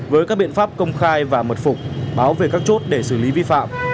với các biện pháp công khai và mật phục báo về các chốt để xử lý vi phạm